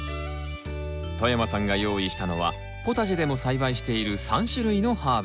外山さんが用意したのはポタジェでも栽培している３種類のハーブ。